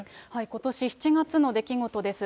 ことし７月の出来事です。